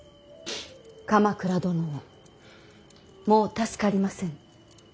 鎌倉殿はもう助かりませぬ。